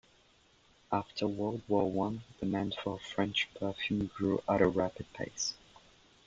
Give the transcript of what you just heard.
After World War One, demand for French perfume grew at a rapid pace.